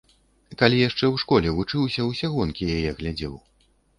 Калі яшчэ ў школе вучыўся, усе гонкі яе глядзеў.